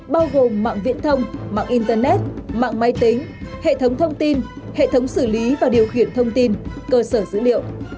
bao gồm mạng viễn thông mạng internet mạng máy tính hệ thống thông tin hệ thống xử lý và điều khiển thông tin cơ sở dữ liệu